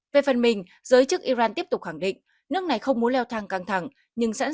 về phần mình giới chức iran tiếp tục khẳng định nước này không muốn leo thang căng thẳng nhưng sẵn sàng